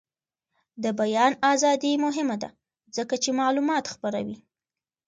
د بیان ازادي مهمه ده ځکه چې معلومات خپروي.